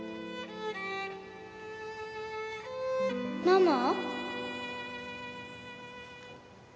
ママ？